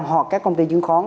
hoặc các công ty trương khoán